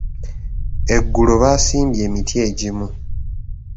Eggulo baasimbye emiti egimu.